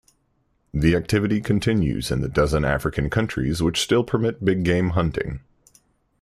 The activity continues in the dozen African countries which still permit big-game hunting.